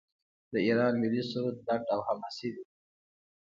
د ایران ملي سرود لنډ او حماسي دی.